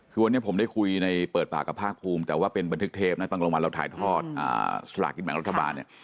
คือวันนี้ผมได้คุยในเปิดปากกับภาคภูมิแต่ว่าเป็นบันทึกเทปนะตอนรางวัลเราถ่ายทอดสลากกินแบ่งรัฐบาลเนี่ย